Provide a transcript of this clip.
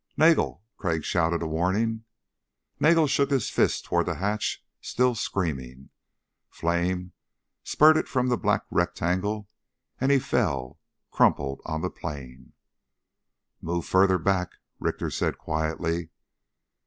"Nagel!" Crag shouted a warning. Nagel shook his fist toward the hatch still screaming. Flame spurted from the black rectangle and he fell, crumpled on the plain. "Move further back," Richter said quietly.